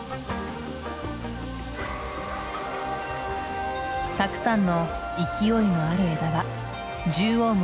たくさんの勢いのある枝が縦横無尽に広がる。